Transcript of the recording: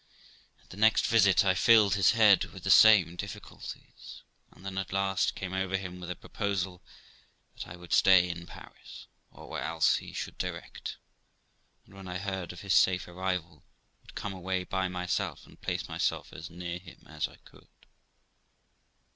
At the next visit I filled his head with the same difficulties, and then at last came over him with a proposal that I would stay in Paris, or where else he should direct; and, when I heard of his safe arrival, would come away by myself, and place myself as near him as I could.